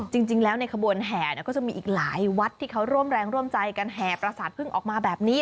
จริงแล้วในขบวนแห่ก็จะมีอีกหลายวัดที่เขาร่วมแรงร่วมใจกันแห่ประสาทพึ่งออกมาแบบนี้